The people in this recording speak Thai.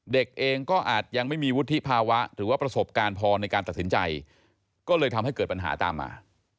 เด็กเองก็อาจยังไม่มีวุฒิภาวะหรือว่าประสบการณ์พอในการตัดสินใจก็เลยทำให้เกิดปัญหาตามมา